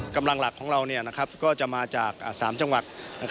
กำลังหลักของเราก็จะมาจาก๓จังหวัด